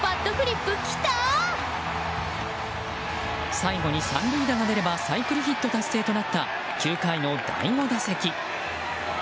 最後に３塁打が出ればサイクルヒット達成となった９回の第５打席。